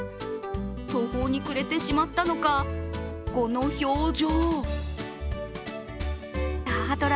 途方に暮れてしまったのか、この表情。